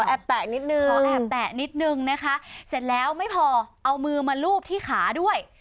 แตะนิดนึงขอแอบแตะนิดนึงนะคะเสร็จแล้วไม่พอเอามือมาลูบที่ขาด้วย